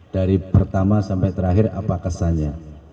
dari pertama sampai terakhir apa kesannya